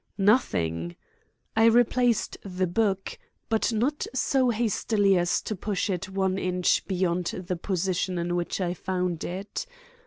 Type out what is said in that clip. Nothing. I replaced the book, but not so hastily as to push it one inch beyond the position in which I found it.